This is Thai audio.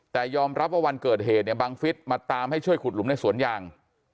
แต่ยอมรับว่าวันเกิดเหตุเนี่ยบังฟิศมาตามให้ช่วยขุดหลุมในสวนยาง